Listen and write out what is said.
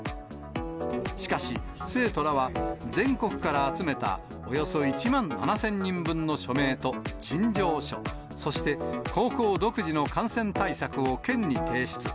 しかし、生徒らは全国から集めたおよそ１万７０００人分の署名と陳情書、そして高校独自の感染対策を県に提出。